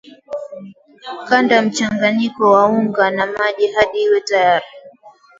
kanda mchanganyiko wa unga na maji hadi uwe tayari